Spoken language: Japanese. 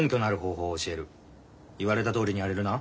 言われたとおりにやれるな？